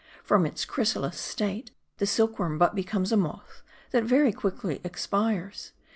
From its chrysalis state, the silkworm but becomes a moth, that very quickly expires.